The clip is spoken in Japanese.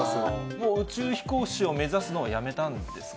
もう宇宙飛行士を目指すのはやめたんですか？